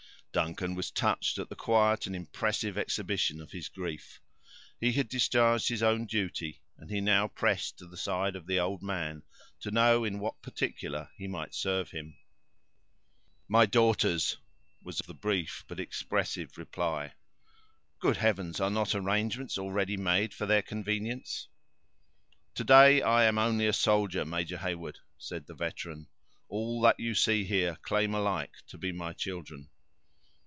Duncan was touched at the quiet and impressive exhibition of his grief. He had discharged his own duty, and he now pressed to the side of the old man, to know in what particular he might serve him. "My daughters," was the brief but expressive reply. "Good heavens! are not arrangements already made for their convenience?" "To day I am only a soldier, Major Heyward," said the veteran. "All that you see here, claim alike to be my children."